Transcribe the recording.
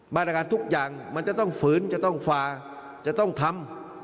มาตรการทุกอย่างมันจะต้องฝืนจะต้องฝ่าจะต้องทำ